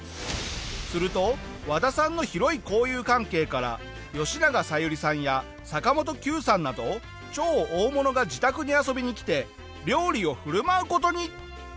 すると和田さんの広い交友関係から吉永小百合さんや坂本九さんなど超大物が自宅に遊びに来て料理を振る舞う事に。